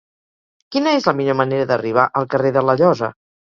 Quina és la millor manera d'arribar al carrer de la Llosa?